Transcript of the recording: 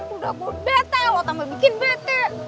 udah gue bete lo tambah bikin bete